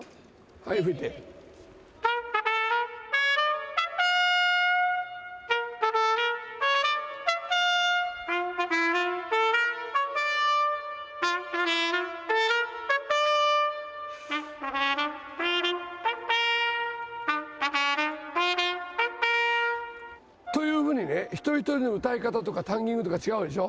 はい吹いて。というふうにね、一人一人の歌い方とか、タンギングとか違うでしょ。